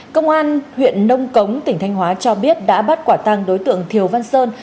công an huyện nông cống tỉnh thanh hóa cho biết đã bắt quả tăng đối tượng thiều văn sơn